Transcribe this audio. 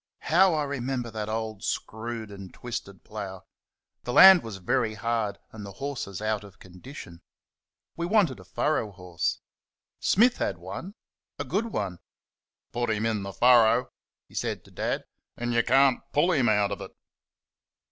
How I remember that old, screwed and twisted plough! The land was very hard, and the horses out of condition. We wanted a furrow horse. Smith had one a good one. "Put him in the furrow," he said to Dad, "and you can't PULL him out of it."